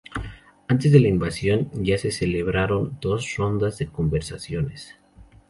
Antes de la invasión, ya se celebraron dos rondas de conversaciones.